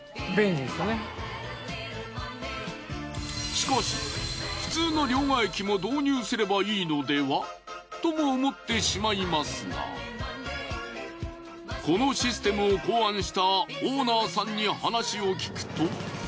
しかし普通の両替機も導入すればいいのでは？とも思ってしまいますがこのシステムを考案した。